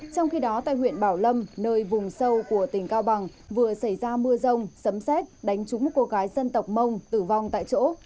trong khi đó tại huyện bảo lâm nơi vùng sâu của tỉnh cao bằng vừa xảy ra mưa rông xấm xét đánh trúng một cô gái dân tộc mông tử vong tại chỗ